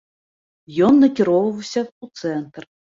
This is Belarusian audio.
Ён накіроўваўся ў цэнтр.